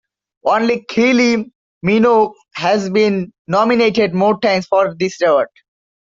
Only Kylie Minogue has been nominated more times for this award.